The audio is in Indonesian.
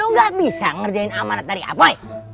lu nggak bisa ngerjain amarat dari apoy